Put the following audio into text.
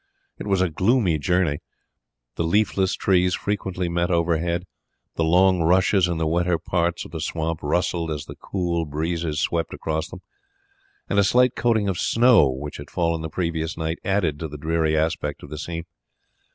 It was a gloomy journey. The leafless trees frequently met overhead; the long rushes in the wetter parts of the swamp rustled as the cold breezes swept across them, and a slight coating of snow which had fallen the previous night added to the dreary aspect of the scene.